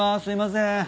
すいません。